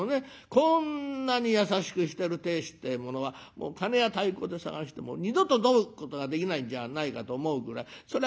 こんなに優しくしてる亭主ってえものは鉦や太鼓で探しても二度と添うことができないんじゃないかと思うぐらいそら